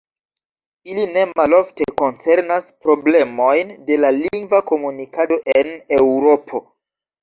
Ili ne malofte koncernas problemojn de la lingva komunikado en Eŭropo.